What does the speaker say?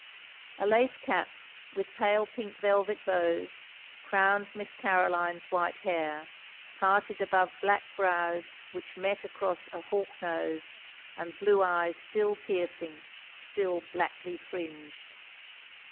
A lace cap, with pale pink velvet bows, crowned Miss Caroline's white hair, parted above black brows which met across a hawk nose, and blue eyes still piercing — still blackly fringed.